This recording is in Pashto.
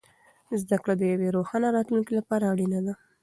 زده کړه د یوې روښانه راتلونکې لپاره اړینه ده.